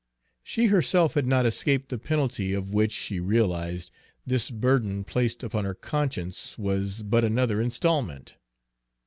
She herself had not escaped the penalty, of which, she realized, this burden placed upon her conscience was but another installment.